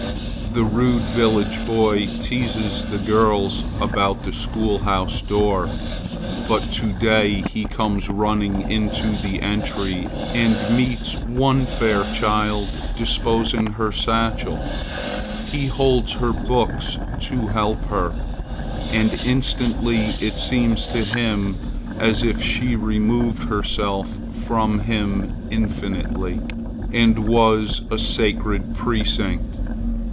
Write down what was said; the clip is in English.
The rude village boy teases the girls about the school house door;—but to day he comes running into the entry, and meets one fair child disposing her satchel; he holds her books to help her, and instantly it seems to him as if she removed herself from him infinitely, and was a sacred precinct.